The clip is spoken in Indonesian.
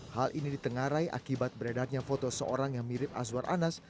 hal ini ditengarai akibat beredarnya foto seorang yang mirip azwar anas